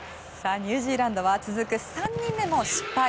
ニュージーランドは続く３人目も失敗。